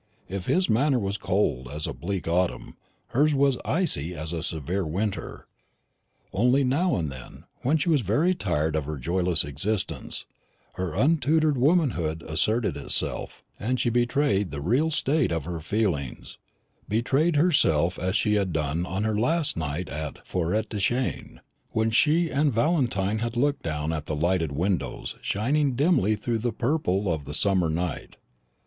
If his manner was cold as a bleak autumn, hers was icy as a severe winter; only now and then, when she was very tired of her joyless existence, her untutored womanhood asserted itself, and she betrayed the real state of her feelings betrayed herself as she had done on her last night at Forêtdechêne, when she and Valentine had looked down at the lighted windows shining dimly through the purple of the summer night.